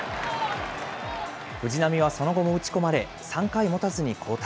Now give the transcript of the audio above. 藤浪はその後も打ち込まれ、３回もたずに交代。